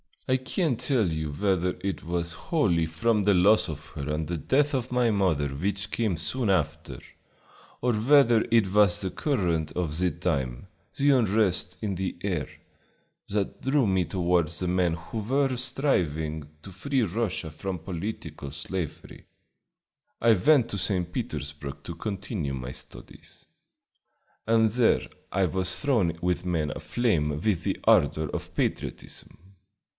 "I can't tell you whether it was wholly from the loss of her and the death of my mother which came soon after, or whether it was the current of the time, the unrest in the air, that drew me toward the men who were striving to free Russia from political slavery. I went to St. Petersburg to continue my studies, and there I was thrown with men aflame with the ardor of patriotism.